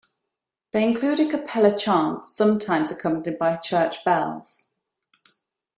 They include a cappella chants, sometimes accompanied by church bells.